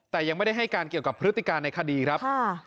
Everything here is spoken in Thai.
แต่ยังไม่ได้ให้การเกี่ยวกับพฤติการในคดีครับ